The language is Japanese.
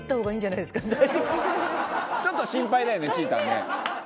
ちょっと心配だよねちーたんね。